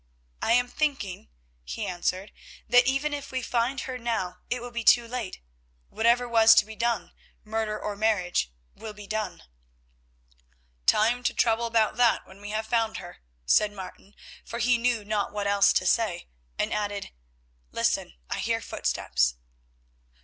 "I am thinking," he answered, "that even if we find her now it will be too late; whatever was to be done, murder or marriage, will be done." "Time to trouble about that when we have found her," said Martin, for he knew not what else to say, and added, "listen, I hear footsteps."